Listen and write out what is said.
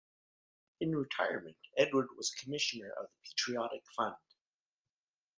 In retirement Edward was a commissioner of the Patriotic Fund.